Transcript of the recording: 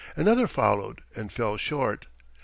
Another followed and fell short.